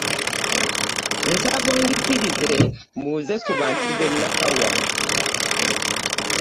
Nsaba onzikirize mbuuze ku bantu b'e Nakawa.